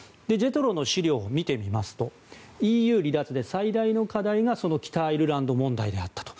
ＪＥＴＲＯの資料を見てみますとＥＵ離脱で最大の課題がその北アイルランド問題であったと。